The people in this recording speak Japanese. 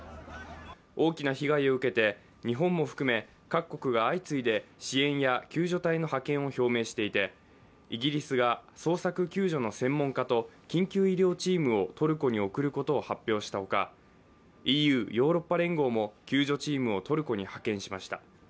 大きな被害を受けて日本も含め各国が相次いで支援や救助隊の派遣を表明していてイギリスが捜索・救助の専門家と緊急医療チームをトルコに送ることを発表したほか、ＥＵ＝ヨーロッパ連合も救助チームをトルコに派遣しました。